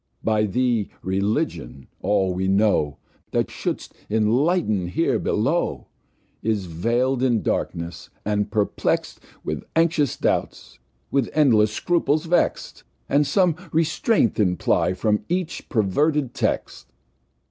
By Thee Religion, all we know, That shou'd enlighten here below, Is veil'd in Darkness, and perplext With anxious Doubts, with endless Scruples vext, And some Restraint imply'd from each perverted Text.